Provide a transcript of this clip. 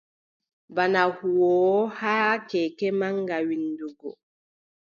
Bana huwoowo haa keeke maŋga winndugo.